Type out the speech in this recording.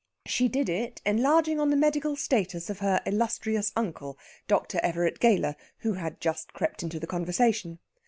She did it enlarging on the medical status of her illustrious uncle, Dr. Everett Gayler, who had just crept into the conversation.